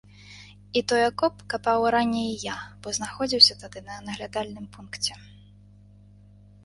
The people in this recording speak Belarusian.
І той акоп капаў уранні і я, бо знаходзіўся тады на наглядальным пункце.